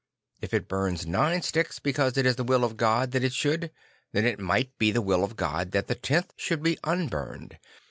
If it burns nine sticks because it is the will of God that it should, then it might be the will of God that the tenth should be unburned.